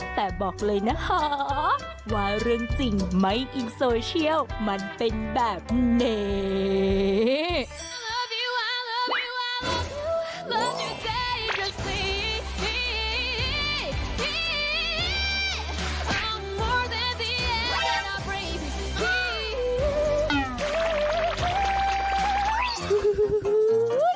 แต่บอกเลยนะคะว่าเรื่องจริงไม่อิงโซเชียลมันเป็นแบบนี้